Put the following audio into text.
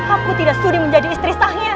aku tidak sungguh menjadi istri sahnya